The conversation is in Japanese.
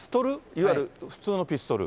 いわゆる普通のピストル？